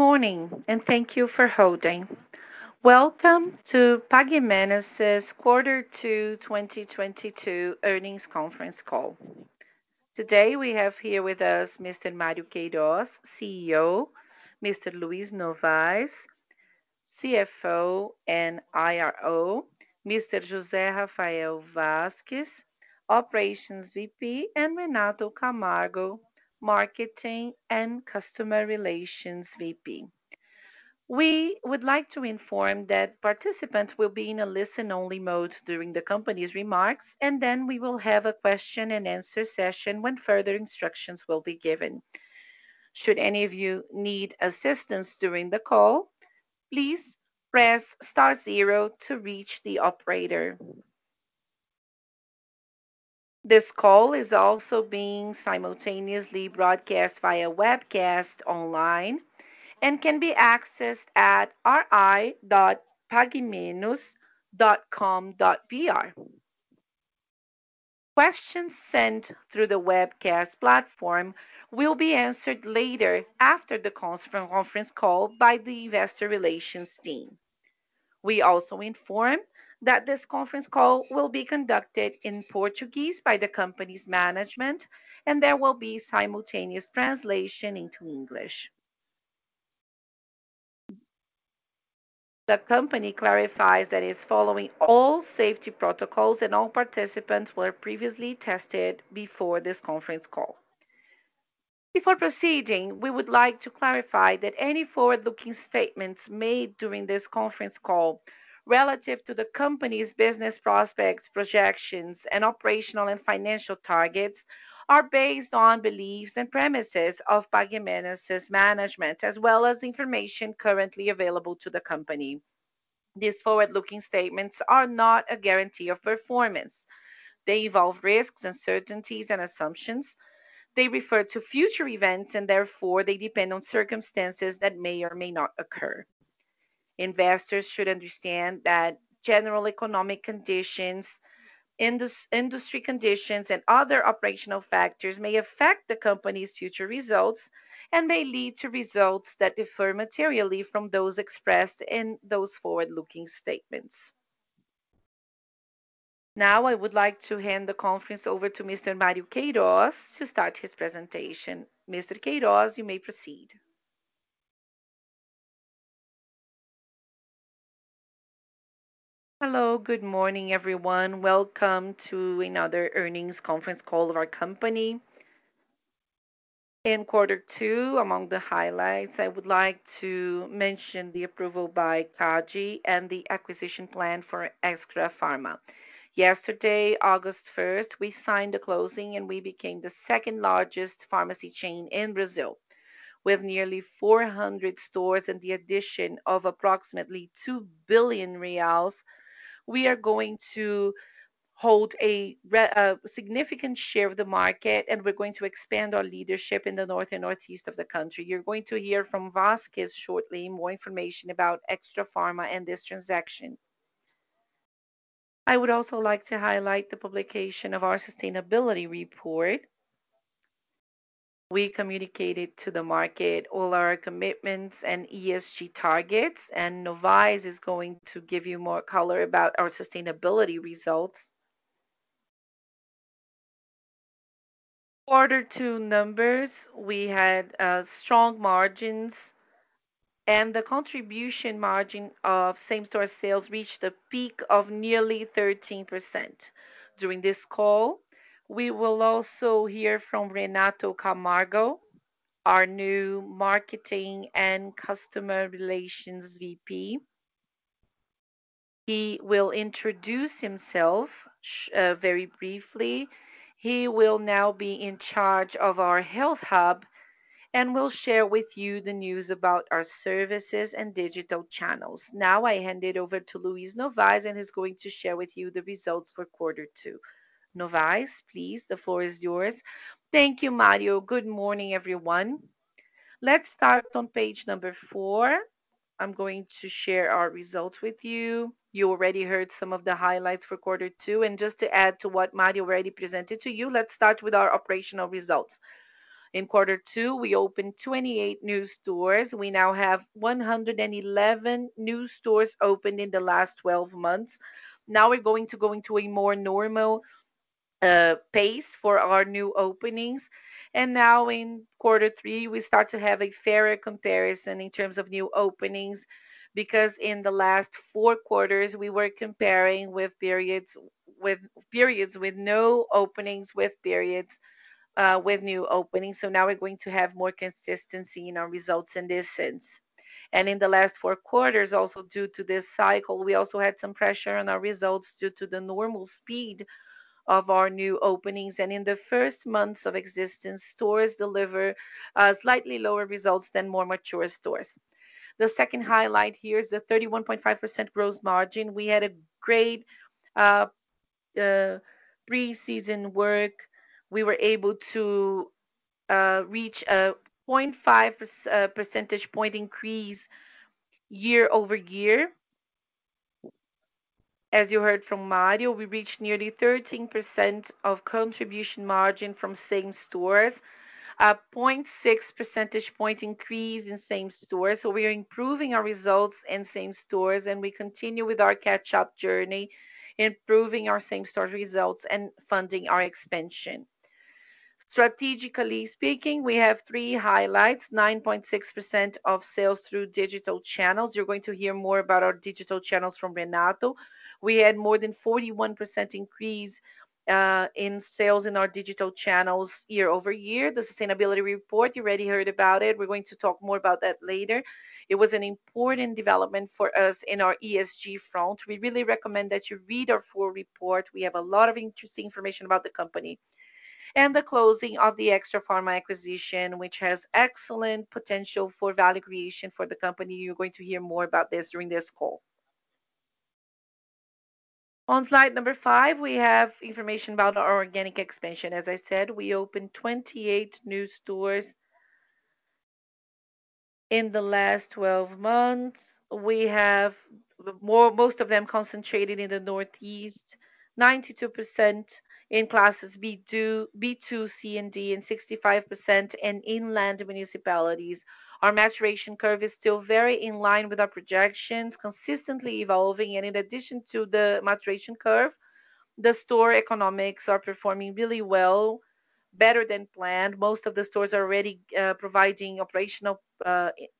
Good morning, and thank you for holding. Welcome to Pague Menos' quarter two 2022 earnings conference call. Today, we have here with us Mr. Mário Queiroz, CEO, Mr. Luiz Novais, CFO and IRO, Mr. José Rafael Vasquez, Operations VP, and Renato Camargo, Marketing and Customer Relations VP. We would like to inform that participants will be in a listen-only mode during the company's remarks, and then we will have a question and answer session when further instructions will be given. Should any of you need assistance during the call, please press star zero to reach the operator. This call is also being simultaneously broadcast via webcast online and can be accessed at ri.paguemenos.com.br. Questions sent through the webcast platform will be answered later after the conference call by the investor relations team. We also inform that this conference call will be conducted in Portuguese by the company's management, and there will be simultaneous translation into English. The company clarifies that it's following all safety protocols, and all participants were previously tested before this conference call. Before proceeding, we would like to clarify that any forward-looking statements made during this conference call relative to the company's business prospects, projections, and operational and financial targets are based on beliefs and premises of Pague Menos' management, as well as information currently available to the company. These forward-looking statements are not a guarantee of performance. They involve risks, uncertainties, and assumptions. They refer to future events and therefore they depend on circumstances that may or may not occur. Investors should understand that general economic conditions, industry conditions, and other operational factors may affect the company's future results and may lead to results that differ materially from those expressed in those forward-looking statements. Now I would like to hand the conference over to Mr. Mário Queiroz to start his presentation. Mr. Queiroz, you may proceed. Hello, good morning, everyone. Welcome to another earnings conference call of our company. In quarter two, among the highlights, I would like to mention the approval by CADE and the acquisition plan for Extrafarma. Yesterday, August first, we signed the closing, and we became the second largest pharmacy chain in Brazil. With nearly 400 stores and the addition of approximately 2 billion reais, we are going to hold a significant share of the market, and we are going to expand our leadership in the north and northeast of the country. You're going to hear from Vasquez shortly, more information about Extrafarma and this transaction. I would also like to highlight the publication of our sustainability report. We communicated to the market all our commitments and ESG targets, and Novais is going to give you more color about our sustainability results. Quarter two numbers, we had strong margins, and the contribution margin of same-store sales reached a peak of nearly 13%. During this call, we will also hear from Renato Camargo, our new Marketing and Customer Relations VP. He will introduce himself very briefly. He will now be in charge of our health hub and will share with you the news about our services and digital channels. Now I hand it over to Luiz Novais, and he's going to share with you the results for quarter two. Novais, please, the floor is yours. Thank you, Mário. Good morning, everyone. Let's start on page number four. I'm going to share our results with you. You already heard some of the highlights for quarter two, and just to add to what Mario already presented to you, let's start with our operational results. In quarter two, we opened 28 new stores. We now have 111 new stores opened in the last 12 months. Now we're going to go into a more normal pace for our new openings. Now in quarter three, we start to have a fairer comparison in terms of new openings because in the last four quarters, we were comparing with periods with no openings, with periods with new openings. Now we're going to have more consistency in our results in this sense. In the last four quarters, also due to this cycle, we also had some pressure on our results due to the normal speed of our new openings. In the first months of existence, stores deliver slightly lower results than more mature stores. The second highlight here is the 31.5% gross margin. We had a great pre-season work. We were able to reach a 0.5 percentage point increase year over year. As you heard from Mario, we reached nearly 13% of contribution margin from same stores. 0.6 percentage point increase in same stores. We are improving our results in same stores, and we continue with our catch-up journey, improving our same-store results and funding our expansion. Strategically speaking, we have three highlights. 9.6% of sales through digital channels. You're going to hear more about our digital channels from Renato. We had more than 41% increase in sales in our digital channels year-over-year. The sustainability report, you already heard about it. We're going to talk more about that later. It was an important development for us in our ESG front. We really recommend that you read our full report. We have a lot of interesting information about the company. The closing of the Extrafarma acquisition, which has excellent potential for value creation for the company. You're going to hear more about this during this call. On slide number five, we have information about our organic expansion. As I said, we opened 28 new stores in the last 12 months. We have most of them concentrated in the Northeast, 92% in classes B2, C and D, and 65% in inland municipalities. Our maturation curve is still very in line with our projections, consistently evolving. In addition to the maturation curve, the store economics are performing really well, better than planned. Most of the stores are already providing operational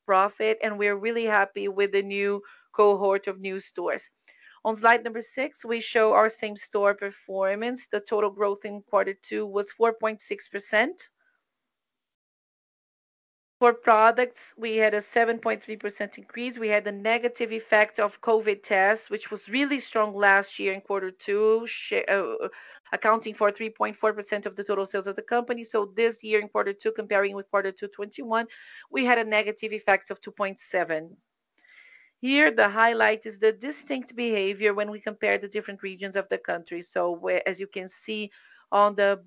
profit, and we're really happy with the new cohort of new stores. On slide number six, we show our same-store performance. The total growth in quarter two was 4.6%. For products, we had a 7.3% increase. We had the negative effect of COVID tests, which was really strong last year in quarter two, accounting for 3.4% of the total sales of the company. This year in quarter two, comparing with quarter two 2021, we had a negative effect of -2.7%. Here, the highlight is the distinct behavior when we compare the different regions of the country. Where, as you can see on the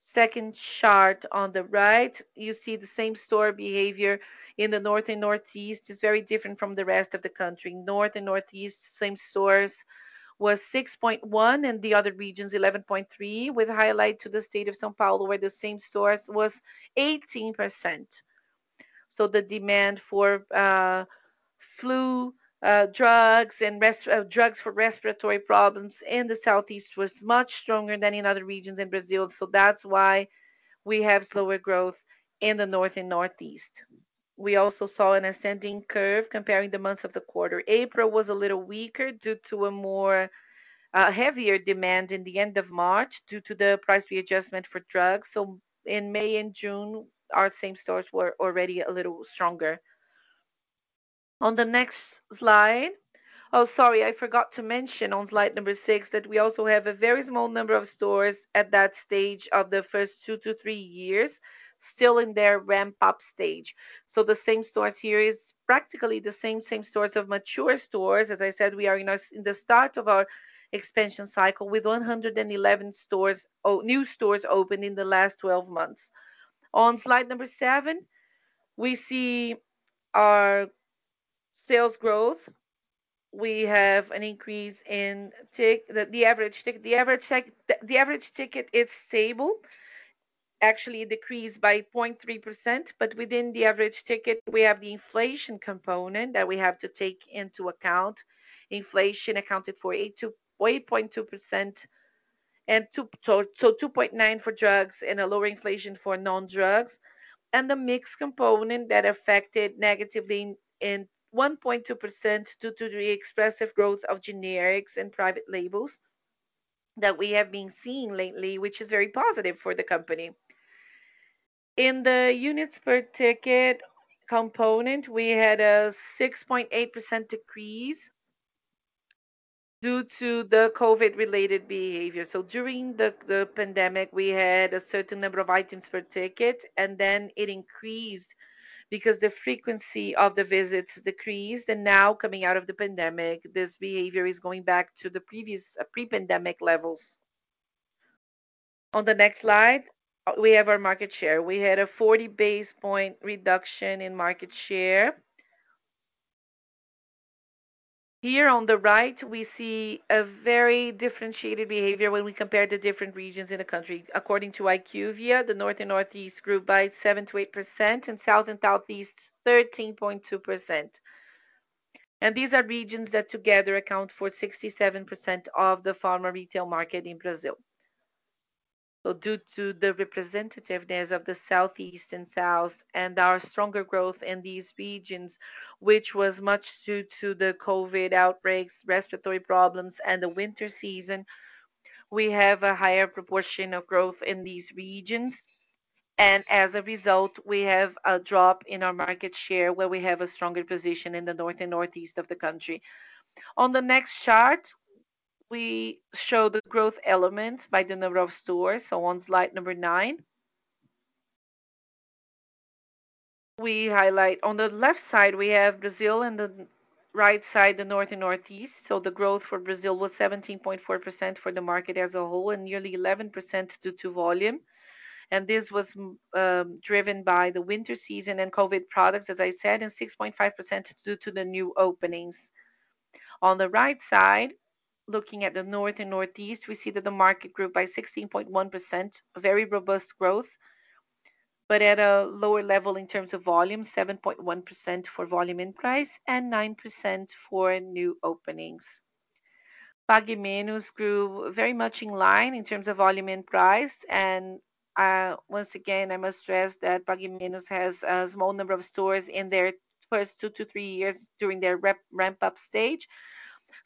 second chart on the right, you see the same store behavior in the North and Northeast is very different from the rest of the country. North and Northeast same stores was 6.1%, and the other regions 11.3%, with highlight to the state of São Paulo, where the same stores was 18%. The demand for flu drugs and drugs for respiratory problems in the Southeast was much stronger than in other regions in Brazil. That's why we have slower growth in the North and Northeast. We also saw an ascending curve comparing the months of the quarter. April was a little weaker due to a more, heavier demand in the end of March due to the price readjustment for drugs. In May and June, our same stores were already a little stronger. On the next slide. Oh, sorry, I forgot to mention on slide number six that we also have a very small number of stores at that stage of the first two to three years, still in their ramp-up stage. The same stores here is practically the same stores of mature stores. As I said, we are in the start of our expansion cycle with 111 new stores opened in the last 12 months. On slide number seven, we see our sales growth. We have an increase in tick. The average ticket is stable. Actually, it decreased by 0.3%, but within the average ticket, we have the inflation component that we have to take into account. Inflation accounted for 8.2% and 2.9% for drugs and a lower inflation for non-drugs. The mix component that affected negatively in 1.2% due to the expressive growth of generics and private labels that we have been seeing lately, which is very positive for the company. In the units per ticket component, we had a 6.8% decrease due to the COVID-related behavior. During the pandemic, we had a certain number of items per ticket, and then it increased because the frequency of the visits decreased. Now coming out of the pandemic, this behavior is going back to the previous, pre-pandemic levels. On the next slide, we have our market share. We had a 40 basis point reduction in market share. Here on the right, we see a very differentiated behavior when we compare the different regions in the country. According to IQVIA, the North and Northeast grew by 7%-8%, and South and Southeast, 13.2%. These are regions that together account for 67% of the pharma retail market in Brazil. Due to the representativeness of the Southeast and South and our stronger growth in these regions, which was much due to the COVID outbreaks, respiratory problems, and the winter season, we have a higher proportion of growth in these regions. As a result, we have a drop in our market share where we have a stronger position in the North and Northeast of the country. On the next chart, we show the growth elements by the number of stores. On slide number nine, we highlight. On the left side, we have Brazil, and the right side, the North and Northeast. The growth for Brazil was 17.4% for the market as a whole and nearly 11% due to volume. This was driven by the winter season and COVID products, as I said, and 6.5% due to the new openings. On the right side, looking at the North and Northeast, we see that the market grew by 16.1%, very robust growth, but at a lower level in terms of volume, 7.1% for volume and price, and 9% for new openings. Pague Menos grew very much in line in terms of volume and price. Once again, I must stress that Pague Menos has a small number of stores in their first two to three years during their re-ramp-up stage.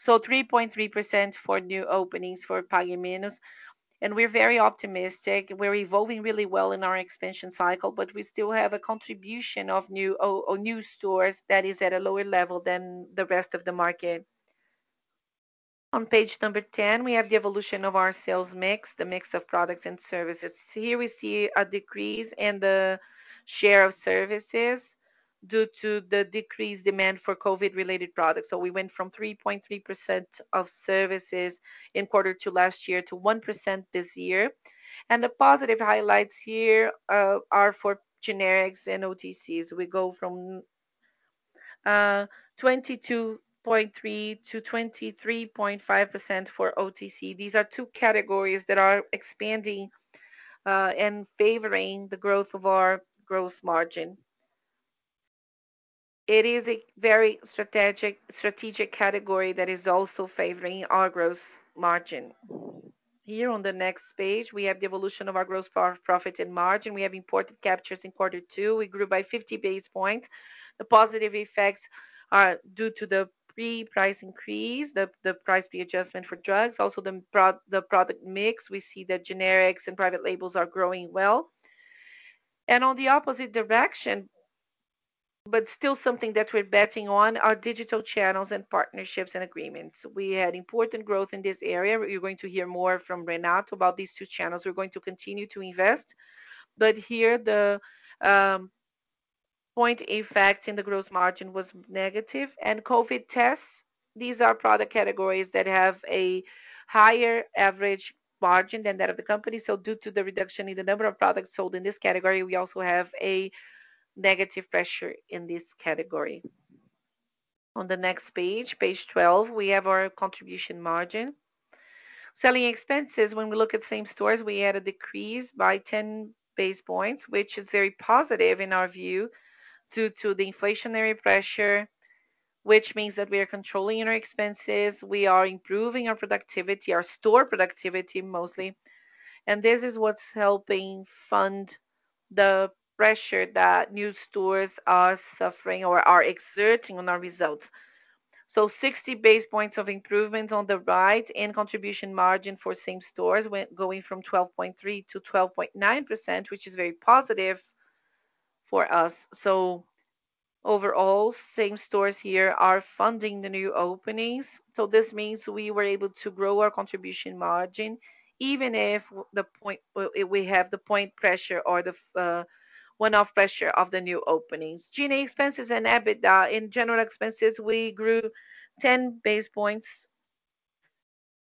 3.3% for new openings for Pague Menos. We're very optimistic. We're evolving really well in our expansion cycle, but we still have a contribution of new stores that is at a lower level than the rest of the market. On page number ten, we have the evolution of our sales mix, the mix of products and services. Here we see a decrease in the share of services due to the decreased demand for COVID related products. We went from 3.3% of services in quarter two last year to 1% this year. The positive highlights here are for generics and OTCs. We go from 22.3%-23.5% for OTC. These are two categories that are expanding and favoring the growth of our gross margin. It is a very strategic category that is also favoring our gross margin. Here on the next page, we have the evolution of our gross profit and margin. We have important captures in quarter two. We grew by 50 basis points. The positive effects are due to the price increase, the price adjustment for drugs, also the product mix. We see that generics and private labels are growing well. On the opposite direction, but still something that we're betting on, are digital channels and partnerships and agreements. We had important growth in this area. We're going to hear more from Renato about these two channels. We're going to continue to invest. Here the point effect in the gross margin was negative. COVID tests, these are product categories that have a higher average margin than that of the company. Due to the reduction in the number of products sold in this category, we also have a negative pressure in this category. On the next page 12, we have our contribution margin. Selling expenses, when we look at same stores, we had a decrease by 10 basis points, which is very positive in our view due to the inflationary pressure, which means that we are controlling our expenses, we are improving our productivity, our store productivity mostly. This is what's helping fund the pressure that new stores are suffering or are exerting on our results. Sixty basis points of improvements on the right and contribution margin for same stores going from 12.3% to 12.9%, which is very positive for us. Overall, same stores here are funding the new openings. This means we were able to grow our contribution margin, even if with the point pressure or the one-off pressure of the new openings. SG&A expenses and EBITDA. In G&A expenses, we grew 10 basis points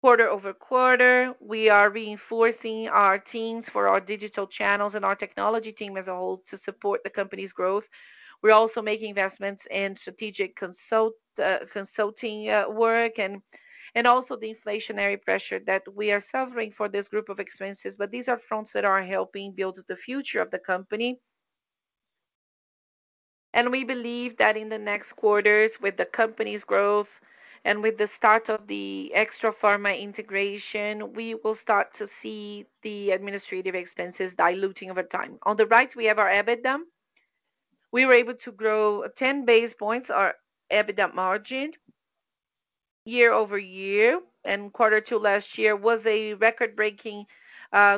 quarter-over-quarter. We are reinforcing our teams for our digital channels and our technology team as a whole to support the company's growth. We're also making investments in strategic consulting work and also the inflationary pressure that we are suffering for this group of expenses. These are fronts that are helping build the future of the company. We believe that in the next quarters, with the company's growth and with the start of the Extrafarma integration, we will start to see the administrative expenses diluting over time. On the right, we have our EBITDA. We were able to grow 10 basis points our EBITDA margin year-over-year, quarter two last year was a record-breaking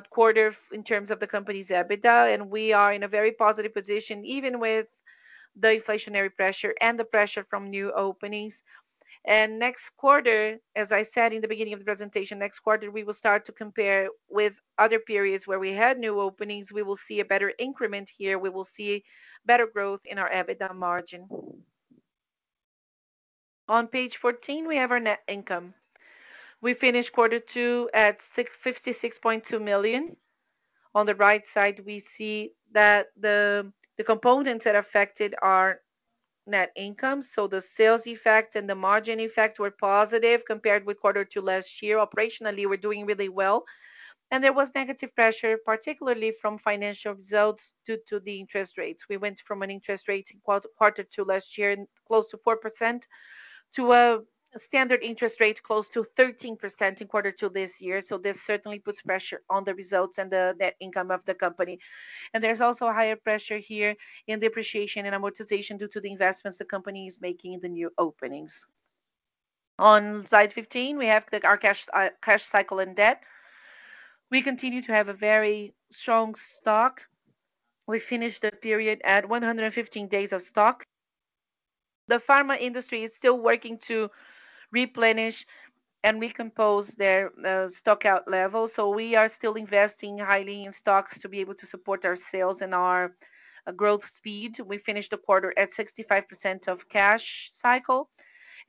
quarter in terms of the company's EBITDA, we are in a very positive position, even with the inflationary pressure and the pressure from new openings. Next quarter, as I said in the beginning of the presentation, next quarter, we will start to compare with other periods where we had new openings. We will see a better increment here. We will see better growth in our EBITDA margin. On page 14, we have our net income. We finished quarter two at 56.2 million. On the right side, we see that the components that affected our net income. The sales effect and the margin effect were positive compared with quarter two last year. Operationally, we're doing really well. There was negative pressure, particularly from financial results due to the interest rates. We went from an interest rate in Q4 to last year, close to 4%, to a standard interest rate close to 13% in quarter two this year. This certainly puts pressure on the results and the income of the company. There's also a higher pressure here in depreciation and amortization due to the investments the company is making in the new openings. On slide 15, we have our cash cycle and debt. We continue to have a very strong stock. We finished the period at 115 days of stock. The pharma industry is still working to replenish and recompose their stockout levels. We are still investing highly in stocks to be able to support our sales and our growth speed. We finished the quarter at 65% of cash cycle.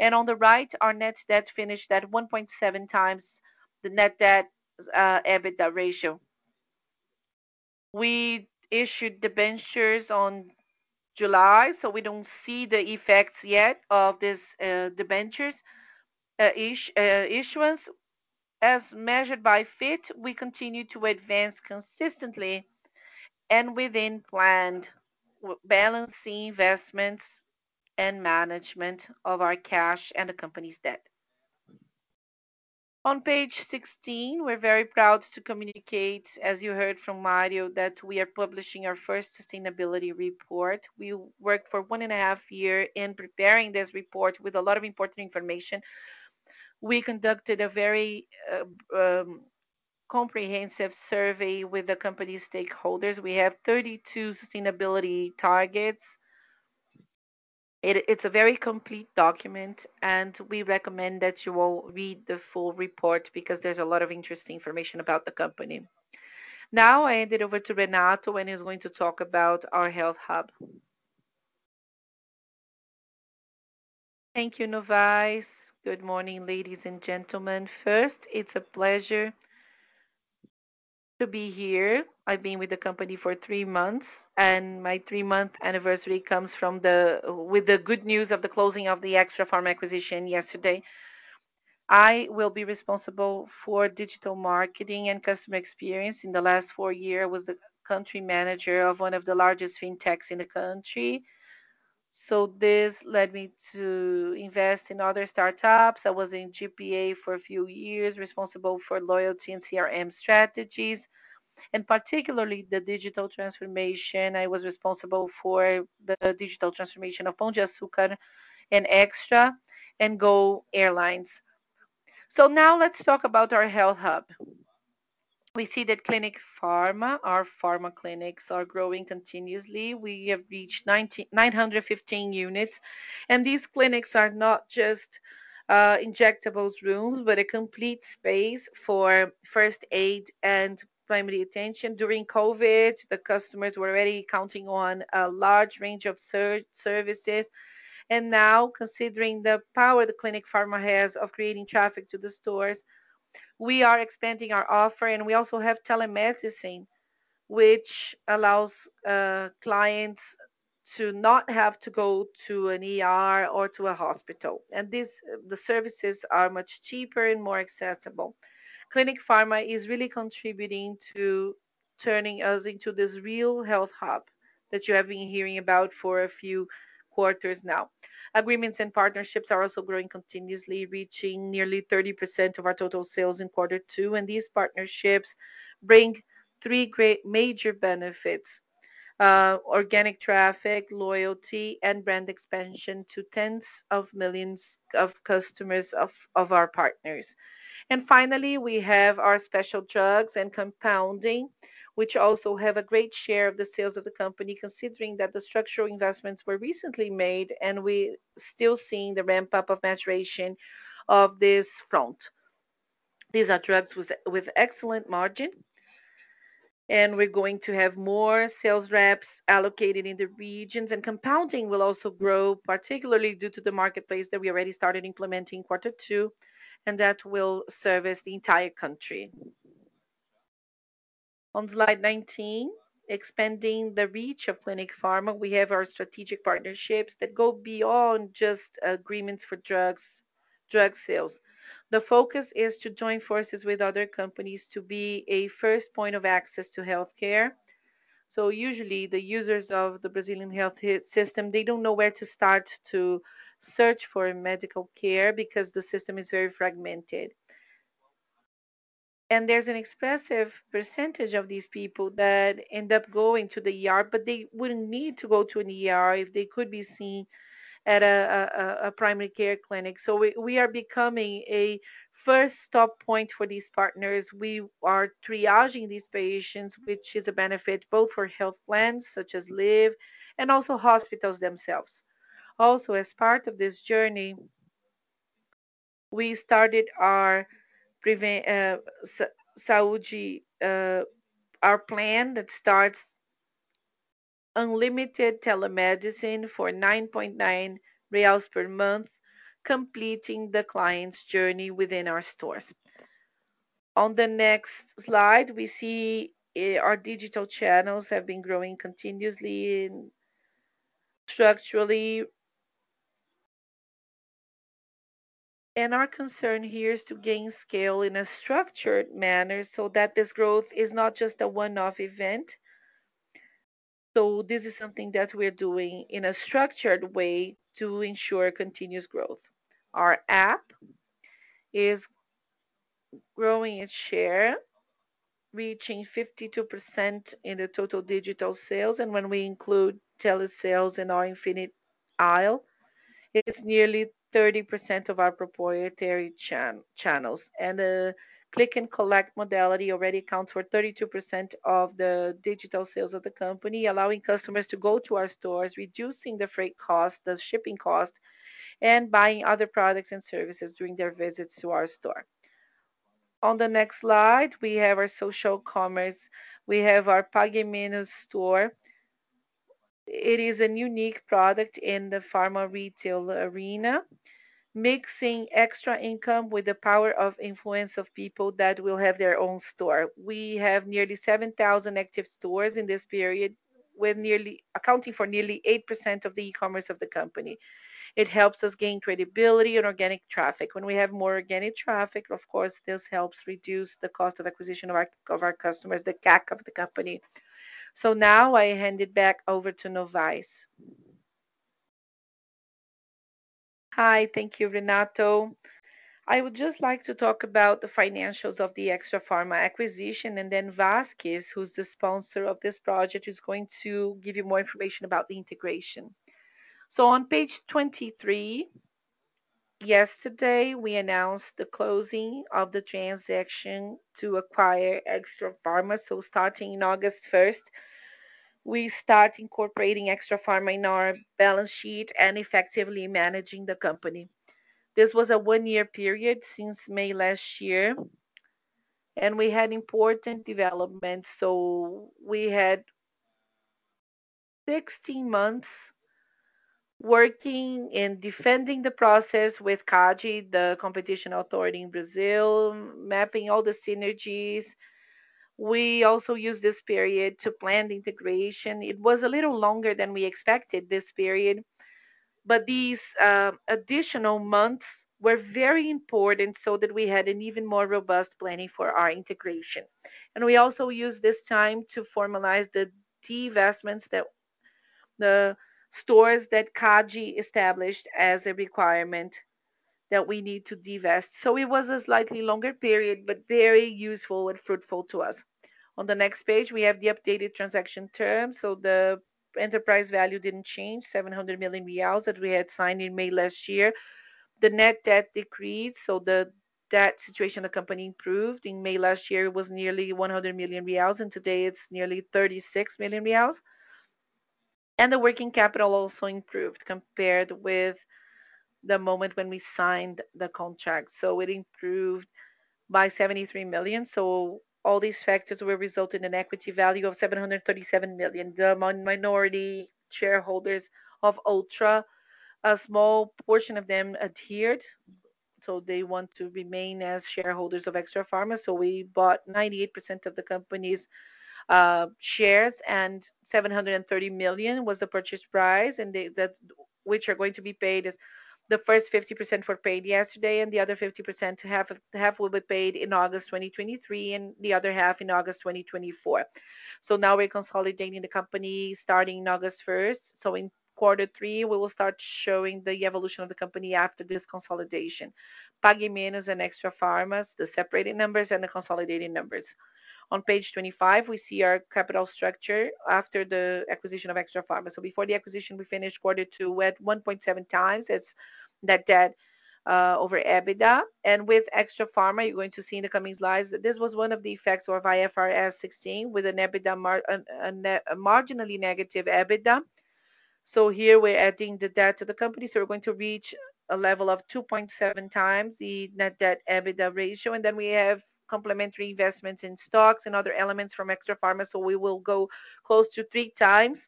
On the right, our net debt finished at 1.7 times the net debt to EBITDA ratio. We issued debentures on July, so we don't see the effects yet of this debentures issuance. As measured by FIT, we continue to advance consistently and within planned, balancing investments and management of our cash and the company's debt. On page 16, we're very proud to communicate, as you heard from Mário, that we are publishing our first sustainability report. We worked for one and a half year in preparing this report with a lot of important information. We conducted a very comprehensive survey with the company stakeholders. We have 32 sustainability targets. It's a very complete document, and we recommend that you all read the full report because there's a lot of interesting information about the company. Now I hand it over to Renato, and he's going to talk about our health hub. Thank you, Novais. Good morning, ladies and gentlemen. First, it's a pleasure to be here. I've been with the company for three months, and my three month anniversary comes with the good news of the closing of the Extrafarma acquisition yesterday. I will be responsible for digital marketing and customer experience. In the last four years, I was the country manager of one of the largest fintechs in the country, so this led me to invest in other startups. I was in GPA for a few years, responsible for loyalty and CRM strategies, and particularly the digital transformation. I was responsible for the digital transformation of Pão de Açúcar and Extra and Gol Airlines. Now let's talk about our health hub. We see that Clinic Farma, our pharma clinics are growing continuously. We have reached 995 units. These clinics are not just injectables rooms, but a complete space for first aid and primary attention. During COVID, the customers were already counting on a large range of services, and now considering the power the Clinic Farma has of creating traffic to the stores, we are expanding our offer. We also have telemedicine, which allows clients to not have to go to an ER or to a hospital. These services are much cheaper and more accessible. Clinic Farma is really contributing to turning us into this real health hub that you have been hearing about for a few quarters now. Agreements and partnerships are also growing continuously, reaching nearly 30% of our total sales in quarter two, and these partnerships bring three great major benefits: organic traffic, loyalty, and brand expansion to tens of millions of customers of our partners. Finally, we have our special drugs and compounding, which also have a great share of the sales of the company, considering that the structural investments were recently made, and we're still seeing the ramp-up of maturation of this front. These are drugs with excellent margin, and we're going to have more sales reps allocated in the regions. Compounding will also grow, particularly due to the marketplace that we already started implementing in quarter two, and that will service the entire country. On slide 19, expanding the reach of Clinic Farma, we have our strategic partnerships that go beyond just agreements for drugs, drug sales. The focus is to join forces with other companies to be a first point of access to healthcare. Usually, the users of the Brazilian health system, they don't know where to start to search for medical care because the system is very fragmented. There's an expressive percentage of these people that end up going to the ER, but they wouldn't need to go to an ER if they could be seen at a primary care clinic. We are becoming a first stop point for these partners. We are triaging these patients, which is a benefit both for health plans, such as LIV Saúde, and also hospitals themselves. As part of this journey, we started our Previne Saúde, our plan that starts unlimited telemedicine for 9.9 reais per month, completing the client's journey within our stores. On the next slide, we see our digital channels have been growing continuously and structurally. Our concern here is to gain scale in a structured manner so that this growth is not just a one-off event. This is something that we're doing in a structured way to ensure continuous growth. Our app is growing its share, reaching 52% in the total digital sales. When we include telesales in our infinite aisle, it's nearly 30% of our proprietary channels. The click-and-collect modality already accounts for 32% of the digital sales of the company, allowing customers to go to our stores, reducing the freight cost, the shipping cost, and buying other products and services during their visits to our store. On the next slide, we have our social commerce. We have our Pague Menos Store. It is a unique product in the pharma retail arena, mixing extra income with the power of influence of people that will have their own store. We have nearly 7,000 active stores in this period, accounting for nearly 8% of the e-commerce of the company. It helps us gain credibility and organic traffic. When we have more organic traffic, of course, this helps reduce the cost of acquisition of our customers, the CAC of the company. Now I hand it back over to Novais. Hi. Thank you, Renato. I would just like to talk about the financials of the Extrafarma acquisition, and then Vasquez, who's the sponsor of this project, who's going to give you more information about the integration. On page 23, yesterday we announced the closing of the transaction to acquire Extrafarma. Starting August 1st, we start incorporating Extrafarma in our balance sheet and effectively managing the company. This was a one-year period since May last year, and we had important developments. We had 16 months working and defending the process with CADE, the competition authority in Brazil, mapping all the synergies. We also used this period to plan the integration. It was a little longer than we expected, this period, but these additional months were very important so that we had an even more robust planning for our integration. We also used this time to formalize the divestments that the stores that CADE established as a requirement that we need to divest. It was a slightly longer period, but very useful and fruitful to us. On the next page, we have the updated transaction terms. The enterprise value didn't change, 700 million reais that we had signed in May last year. The net debt decreased, so the debt situation of the company improved. In May last year, it was nearly 100 million reais, and today it's nearly 36 million reais. The working capital also improved compared with the moment when we signed the contract. It improved by 73 million. All these factors will result in an equity value of 737 million. Minority shareholders of Ultrapar, a small portion of them adhered, so they want to remain as shareholders of Extrafarma. We bought 98% of the company's shares, and 730 million was the purchase price, which is going to be paid as the first 50% were paid yesterday and the other 50%, half will be paid in August 2023 and the other half in August 2024. Now we're consolidating the company starting August 1st. In quarter three, we will start showing the evolution of the company after this consolidation. Pague Menos and Extrafarma, the separated numbers and the consolidating numbers. On page 25, we see our capital structure after the acquisition of Extrafarma. Before the acquisition, we finished quarter two at 1.7x. That's net debt over EBITDA. With Extrafarma, you're going to see in the coming slides that this was one of the effects of IFRS 16, with a marginally negative EBITDA. Here we're adding the debt to the company, so we're going to reach a level of 2.7x the net debt/EBITDA ratio. Then we have complementary investments in stocks and other elements from Extrafarma, so we will go close to 3x.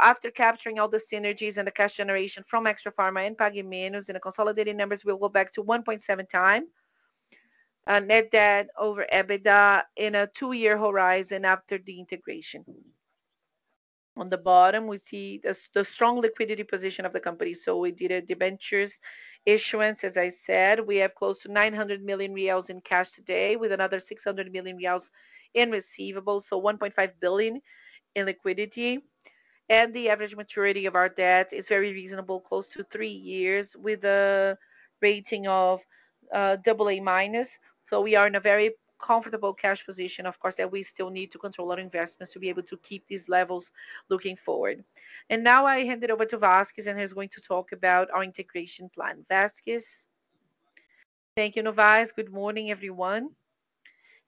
After capturing all the synergies and the cash generation from Extrafarma and Pague Menos in the consolidated numbers, we will go back to 1.7x net debt over EBITDA in a two year horizon after the integration. On the bottom, we see the strong liquidity position of the company. We did a debentures issuance, as I said. We have close to 900 million reais in cash today with another 600 million reais in receivables, so 1.5 billion in liquidity. The average maturity of our debt is very reasonable, close to three years with a rating of AA-. We are in a very comfortable cash position. Of course, we still need to control our investments to be able to keep these levels looking forward. Now I hand it over to Vasquez, and he's going to talk about our integration plan. Vasquez. Thank you, Novais. Good morning, everyone.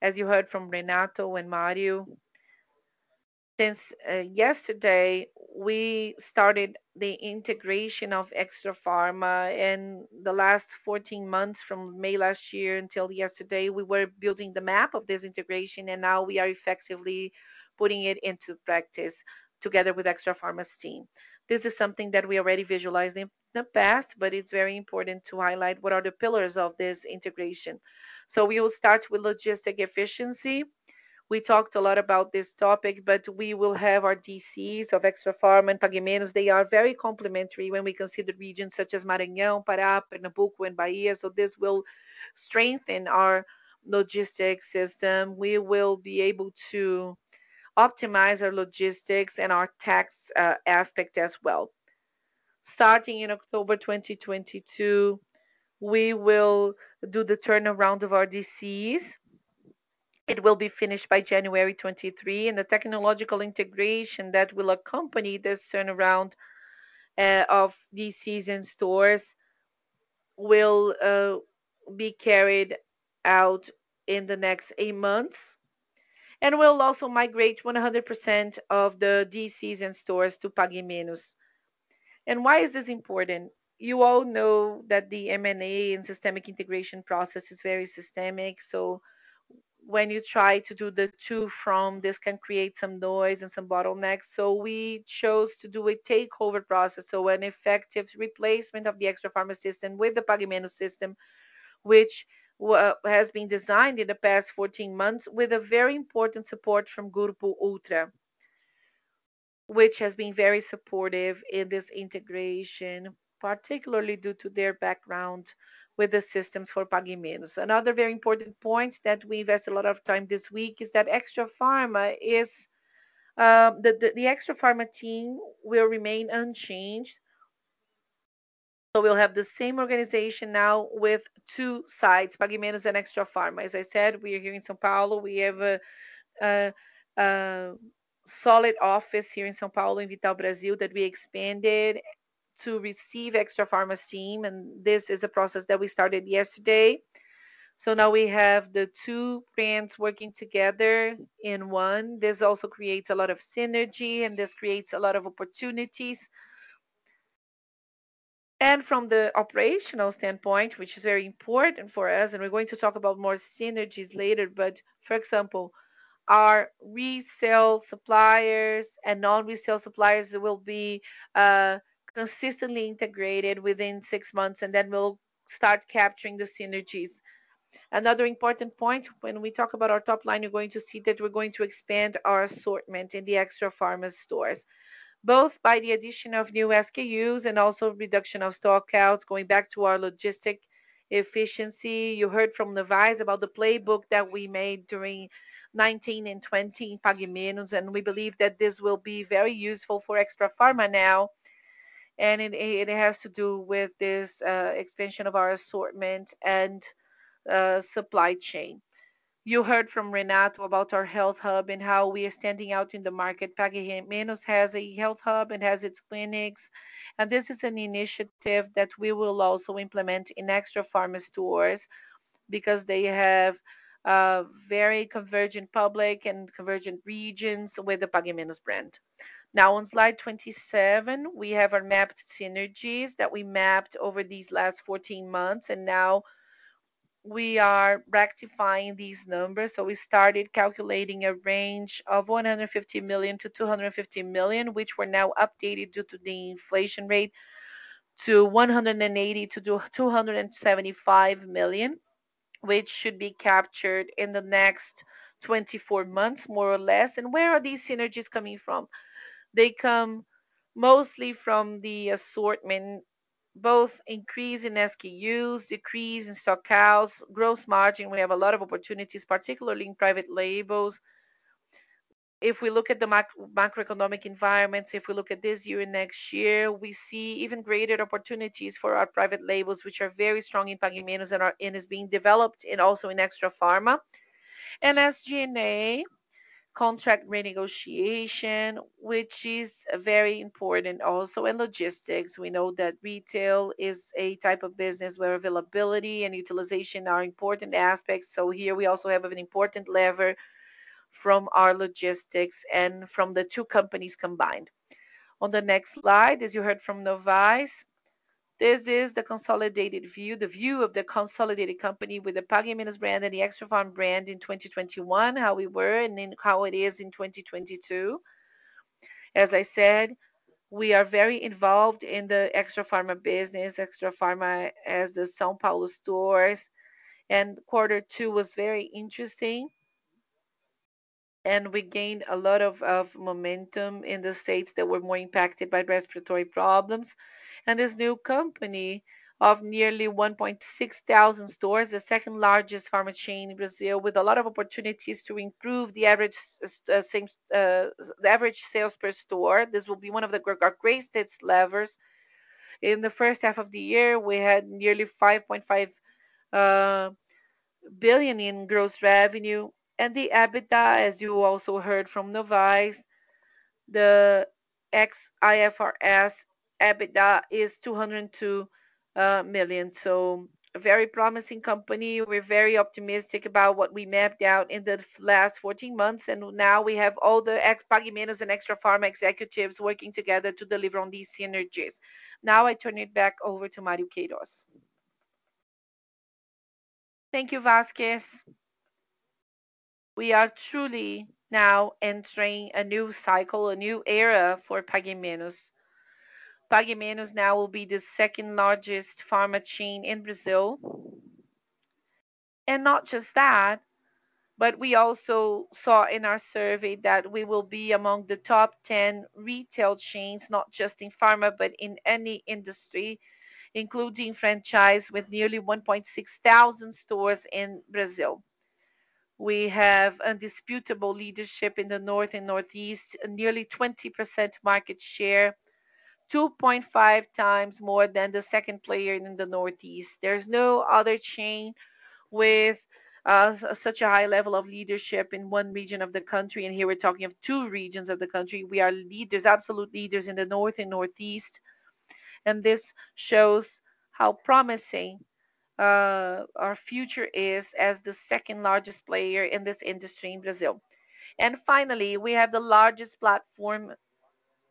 As you heard from Renato and Mário, since yesterday we started the integration of Extrafarma, and the last 14 months from May last year until yesterday, we were building the map of this integration, and now we are effectively putting it into practice together with Extrafarma's team. This is something that we already visualized in the past, but it's very important to highlight what are the pillars of this integration. We will start with logistics efficiency. We talked a lot about this topic, but we will have our DCs of Extrafarma and Pague Menos. They are very complementary when we consider regions such as Maranhão, Pará, Pernambuco and Bahia, so this will strengthen our logistics system. We will be able to optimize our logistics and our tax aspect as well. Starting in October 2022, we will do the turnaround of our DCs. It will be finished by January 2023, and the technological integration that will accompany this turnaround of DCs and stores will be carried out in the next eight months. We'll also migrate 100% of the DCs and stores to Pague Menos. Why is this important? You all know that the M&A and systems integration process is very systematic. When you try to do the two-form, this can create some noise and some bottlenecks. We chose to do a takeover process. An effective replacement of the Extrafarma system with the Pague Menos system, which has been designed in the past 14 months with a very important support from Grupo Ultra, which has been very supportive in this integration, particularly due to their background with the systems for Pague Menos. Another very important point that we've invested a lot of time this week is that the Extrafarma team will remain unchanged. We'll have the same organization now with two sides, Pague Menos and Extrafarma. As I said, we are here in São Paulo. We have a solid office here in São Paulo in Vital Brasil that we expanded to receive Extrafarma's team, and this is a process that we started yesterday. Now we have the two brands working together in one. This also creates a lot of synergy, and this creates a lot of opportunities. From the operational standpoint, which is very important for us, and we're going to talk about more synergies later, but for example, our retail suppliers and non-retail suppliers will be consistently integrated within six months, and then we'll start capturing the synergies. Another important point, when we talk about our top line, you're going to see that we're going to expand our assortment in the Extrafarma stores, both by the addition of new SKUs and also reduction of stockouts, going back to our logistics efficiency. You heard from Novais about the playbook that we made during 2019 and 2020 in Pague Menos, and we believe that this will be very useful for Extrafarma now, and it has to do with this expansion of our assortment and supply chain. You heard from Renato about our health hub and how we are standing out in the market. Pague Menos has a health hub. It has its clinics. This is an initiative that we will also implement in Extrafarma stores because they have a very convergent public and convergent regions with the Pague Menos brand. Now on slide 27, we have our mapped synergies that we mapped over these last 14 months, and now we are rectifying these numbers. We started calculating a range of 150 million-250 million, which were now updated due to the inflation rate to 180 million-275 million, which should be captured in the next 24 months, more or less. Where are these synergies coming from? They come mostly from the assortment, both increase in SKUs, decrease in stockouts, gross margin. We have a lot of opportunities, particularly in private labels. If we look at the macroeconomic environments, if we look at this year and next year, we see even greater opportunities for our private labels, which are very strong in Pague Menos and are being developed also in Extrafarma. SG&A contract renegotiation, which is very important also in logistics. We know that retail is a type of business where availability and utilization are important aspects, so here we also have an important lever from our logistics and from the two companies combined. On the next slide, as you heard from Novais, this is the consolidated view, the view of the consolidated company with the Pague Menos brand and the Extrafarma brand in 2021, how we were and then how it is in 2022. As I said, we are very involved in the Extrafarma business. Extrafarma has the São Paulo stores. Quarter two was very interesting, and we gained a lot of momentum in the states that were more impacted by respiratory problems. This new company of nearly 1,600 stores, the second largest pharma chain in Brazil with a lot of opportunities to improve the average same-store sales per store. This will be one of our greatest levers. In the first half of the year, we had nearly 5.5 billion in gross revenue. The EBITDA, as you also heard from Novais, the ex-IFRS EBITDA is 202 million. A very promising company. We're very optimistic about what we mapped out in the last 14 months, and now we have all the Pague Menos and Extrafarma executives working together to deliver on these synergies. I turn it back over to Mário Queiroz. Thank you, Vasquez. We are truly now entering a new cycle, a new era for Pague Menos. Pague Menos now will be the second-largest pharma chain in Brazil. Not just that, but we also saw in our survey that we will be among the top 10 retail chains, not just in pharma, but in any industry, including franchise with nearly 1,600 stores in Brazil. We have indisputable leadership in the North and Northeast, nearly 20% market share, 2.5x more than the second player in the Northeast. There's no other chain with such a high level of leadership in one region of the country, and here we're talking of two regions of the country. We are leaders, absolute leaders in the North and Northeast, and this shows how promising our future is as the second-largest player in this industry in Brazil. Finally, we have the largest platform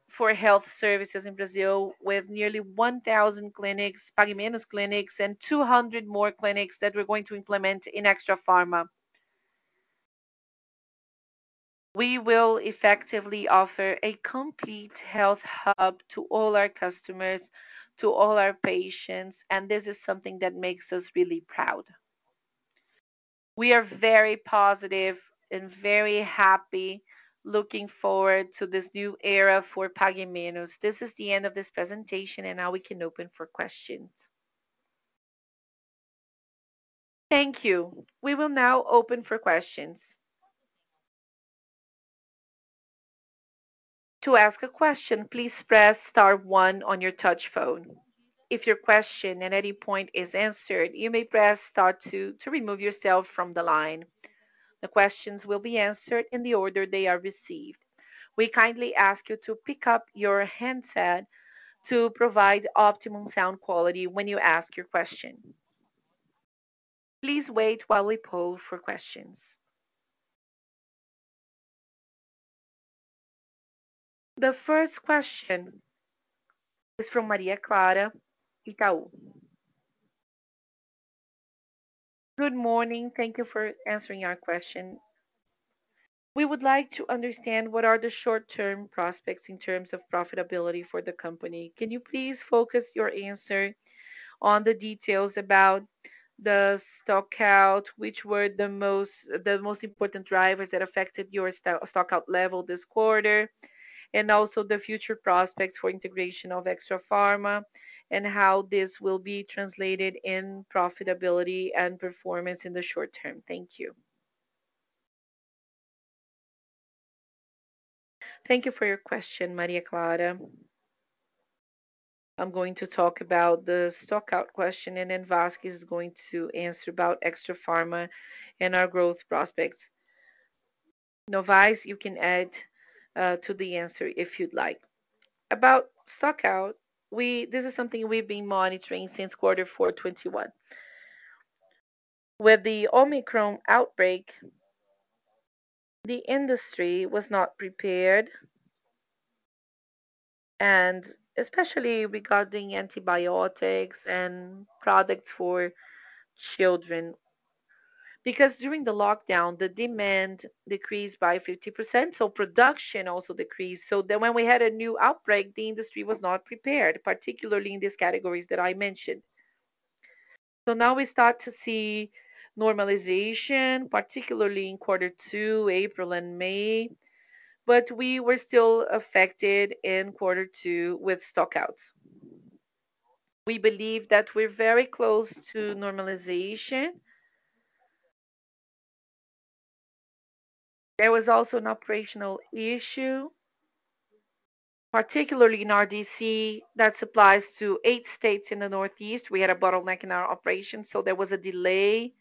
for health services in Brazil, with nearly 1,000 clinics, Pague Menos clinics, and 200 more clinics that we're going to implement in Extrafarma. We will effectively offer a complete health hub to all our customers, to all our patients, and this is something that makes us really proud. We are very positive and very happy, looking forward to this new era for Pague Menos. This is the end of this presentation, and now we can open for questions. Thank you. We will now open for questions. To ask a question, please press star one on your touch phone. If your question at any point is answered, you may press star two to remove yourself from the line. The questions will be answered in the order they are received. We kindly ask you to pick up your handset to provide optimum sound quality when you ask your question. Please wait while we poll for questions. The first question is from Maria Clara, Itaú. Good morning. Thank you for answering our question. We would like to understand what are the short-term prospects in terms of profitability for the company. Can you please focus your answer on the details about the stock-out, which were the most important drivers that affected your stock-out level this quarter, and also the future prospects for integration of Extrafarma and how this will be translated in profitability and performance in the short term. Thank you. Thank you for your question, Maria Clara. I'm going to talk about the stock-out question, and then Vasquez is going to answer about Extrafarma and our growth prospects. Novais, you can add to the answer if you'd like. About stock-out. This is something we've been monitoring since quarter four 2021. With the Omicron outbreak, the industry was not prepared, and especially regarding antibiotics and products for children. Because during the lockdown, the demand decreased by 50%, so production also decreased. When we had a new outbreak, the industry was not prepared, particularly in these categories that I mentioned. Now we start to see normalization, particularly in quarter two, April and May, but we were still affected in quarter two with stock-outs. We believe that we're very close to normalization. There was also an operational issue, particularly in our DC, that supplies to eight states in the Northeast. We had a bottleneck in our operation, so there was a delay